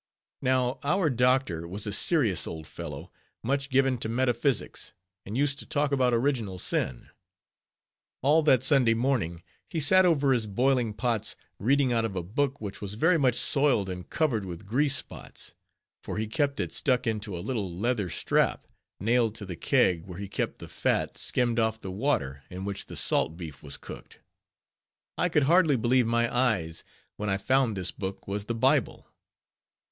Now, our doctor was a serious old fellow, much given to metaphysics, and used to talk about original sin. All that Sunday morning, he sat over his boiling pots, reading out of a book which was very much soiled and covered with grease spots: for he kept it stuck into a little leather strap, nailed to the keg where he kept the fat skimmed off the water in which the salt beef was cooked. I could hardly believe my eyes when I found this book was the Bible.